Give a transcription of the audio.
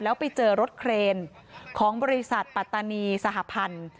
แล้วไปเจอรถเครนของบริษัทปัตตานีสหพันธ์